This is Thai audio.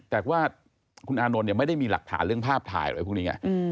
แต่ว่าคุณอานนท์เนี่ยไม่ได้มีหลักฐานเรื่องภาพถ่ายอะไรพวกนี้ไง